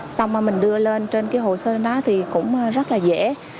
xong mà mình đưa lên trên cái hồ sơ đó thì cũng rất là dễ